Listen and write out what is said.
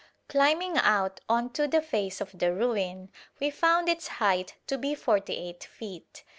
Climbing out on to the face of the ruin, we found its height to be 48 feet.